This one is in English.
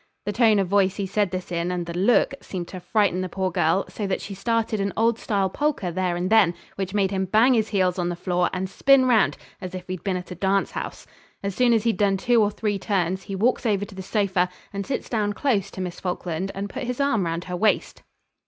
The tone of voice he said this in and the look seemed to frighten the poor girl so that she started an old style polka there and then, which made him bang his heels on the floor and spin round as if he'd been at a dance house. As soon as he'd done two or three turns he walks over to the sofa and sits down close to Miss Falkland, and put his arm round her waist.